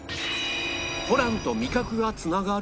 ホランと味覚が繋がる！？